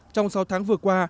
trong sáu tháng vừa qua